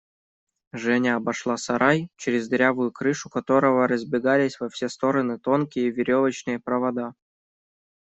Женя обошла сарай, через дырявую крышу которого разбегались во все стороны тонкие веревочные провода.